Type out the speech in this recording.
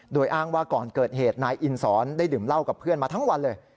โดยอ้างว่าก่อนเกิดเหตุนายอินสอนได้ดื่มเหล้ากับเพื่อนมาทั้งวันเลย